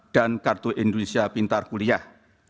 dan kartu indonesia pintar kuliah